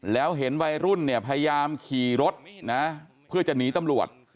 แล้วเห็นวัยรุ่นเนี่ยพยายามขี่รถนะเพื่อจะหนีตำรวจ